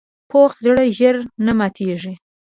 پوخ زړه ژر نه ماتیږي